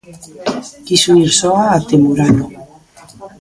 Quiso ir soa até Murano.